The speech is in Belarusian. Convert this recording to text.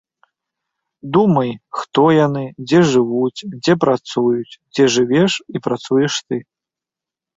Думай, хто яны, дзе жывуць, дзе працуюць, дзе жывеш і працуеш ты.